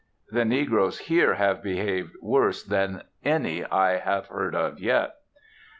The negroes here have behaved worse than any I have heard of yet.